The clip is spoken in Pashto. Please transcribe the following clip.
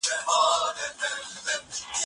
مور لارښوونه کوله.